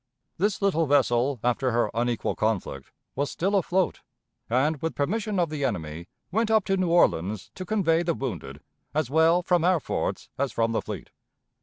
This little vessel, after her unequal conflict, was still afloat, and, with permission of the enemy, went up to New Orleans to convey the wounded as well from our forts as from the fleet.